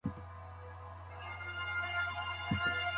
د پیسو ارزښت څنګه ساتل کیږي؟